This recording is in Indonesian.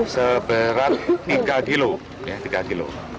seberat tiga kilo